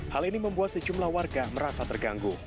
hal ini membuat sejumlah warga merasa terganggu